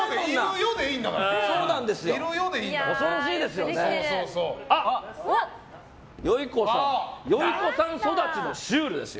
よゐこさん育ちのシュールですよ。